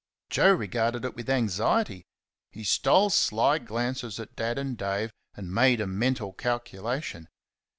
Joe regarded it with anxiety. He stole sly glances at Dad and at Dave and made a mental calculation.